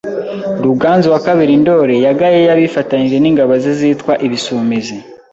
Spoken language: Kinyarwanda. Ruganzu II Ndoli yagaye yabifatanyije n’ingabo ze zitwa Ibisumizi